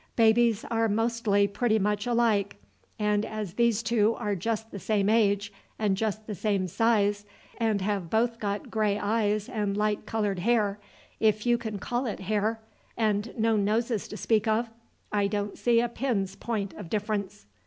"Babies are mostly pretty much alike, and as these two are just the same age, and just the same size, and have both got gray eyes and light coloured hair if you can call it hair, and no noses to speak of, I don't see a pin's point of difference."